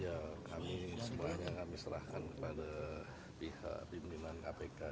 ya kami semuanya kami serahkan kepada pihak pimpinan kpk